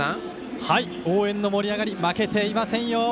応援の盛り上がり負けていませんよ。